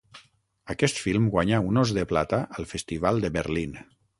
Aquest film guanyà un Os de Plata al Festival de Berlín.